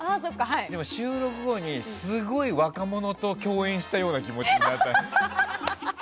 でも収録後に、すごい若者と共演したような気持ちになった。